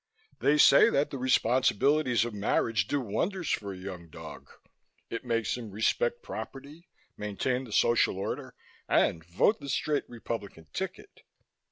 They say that the responsibilities of marriage do wonders for a young dog. It makes him respect property, maintain the social order, and vote the straight Republican ticket."